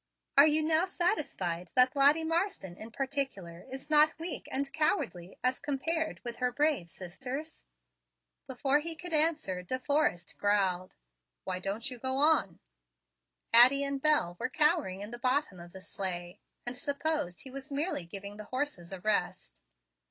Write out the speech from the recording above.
"Are you now satisfied that Lottie Marsden, in particular, is not weak and cowardly, as compared with her braver sisters?" Before he could answer, De Forrest growled, "Why don't you go on?" Addie and Bel were cowering in the bottom of the sleigh, and supposed he was merely giving the horses a rest.